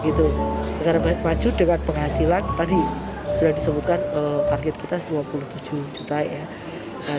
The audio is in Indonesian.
negara maju dengan penghasilan tadi sudah disebutkan target kita dua puluh tujuh juta ya